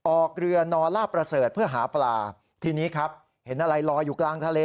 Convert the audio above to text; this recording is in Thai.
ออกเรือนอนลาบประเสริฐเพื่อหาปลาทีนี้ครับเห็นอะไรลอยอยู่กลางทะเล